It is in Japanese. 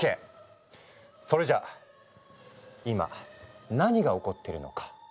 それじゃあ今何が起こってるのか？